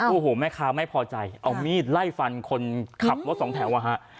โอ้โหแม่ค้าไม่พอใจเอามีดไล่ฟันคนขับรถสองแถวอ่ะฮะ